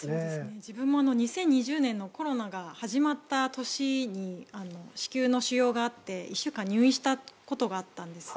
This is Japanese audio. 自分も２０２０年のコロナが始まった時に子宮の腫瘍があって１週間入院したことがあったんです。